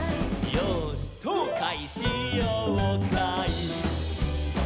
「よーしそうかいしようかい」